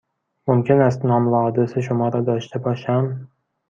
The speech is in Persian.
ممکن است نام و آدرس شما را داشته باشم؟